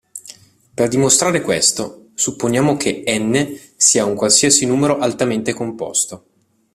Per dimostrare questo, supponiamo che "n" sia un qualsiasi numero altamente composto.